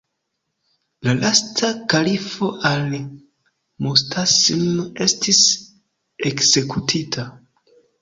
La lasta kalifo Al-Mustasim estis ekzekutita.